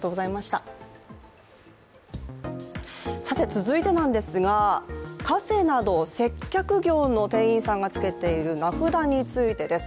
続いてなんですが、カフェなど接客業の店員さんがつけている名札についてです。